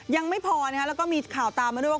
ยังไม่พอแล้วก็มีข่าวตามมาด้วยว่า